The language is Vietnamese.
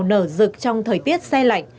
những đảo nở rực trong thời tiết xe lạnh